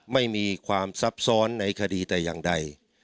ไม่มีความซับซ้อนในคดีแต่อย่างใด